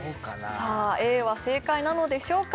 さあＡは正解なのでしょうか？